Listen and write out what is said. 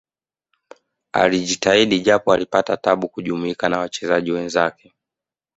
alijitahidi japo alipata tabu kujumuika na wachezaji wenzake